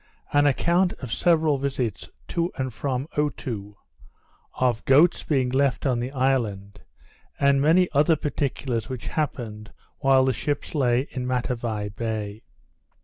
_An Account of several Visits to and from Otoo; of Goats being left on the Island; and many other Particulars which happened while the Ships lay in Matavai Bay.